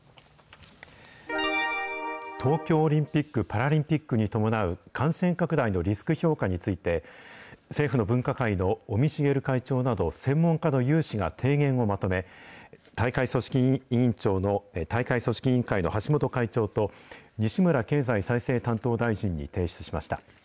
東京オリンピック・パラリンピックに伴う感染拡大のリスク評価について、政府の分科会の尾身茂会長など専門家の有志が提言をまとめ、大会組織委員会の橋本会長と、西村経済再生担当大臣に提出しました。